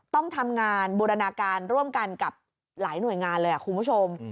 ต้องทำงานบูรณาการร่วมกันกับหลายหน่วยงานเลยคุณผู้ชม